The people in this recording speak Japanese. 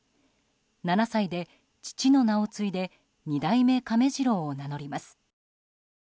７歳で父の名を継いで二代目亀次郎を名乗ります。